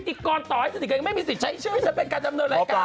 ติกรต่อให้สนิทกันยังไม่มีสิทธิ์ใช้ชื่อฉันเป็นการดำเนินรายการ